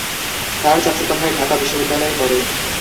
তার চাচাতো ভাই ঢাকা বিশ্ববিদ্যালয়ে পড়ে।